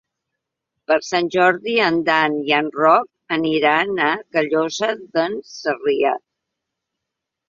Per Sant Jordi en Dan i en Roc aniran a Callosa d'en Sarrià.